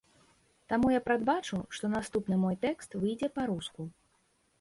Таму я прадбачу, што наступны мой тэкст выйдзе па-руску.